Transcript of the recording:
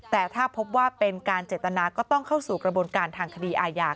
แต่ถ้าพบว่าเป็นการเจตนาก็ต้องเข้าสู่กระบวนการทางคดีอาญา